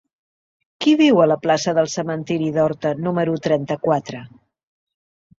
Qui viu a la plaça del Cementiri d'Horta número trenta-quatre?